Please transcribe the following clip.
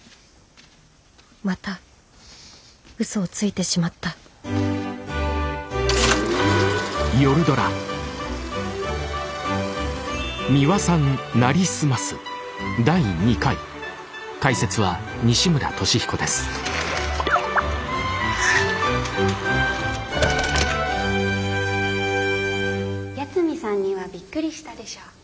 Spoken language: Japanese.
またウソをついてしまった八海さんにはびっくりしたでしょ？